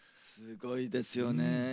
すごいですよね。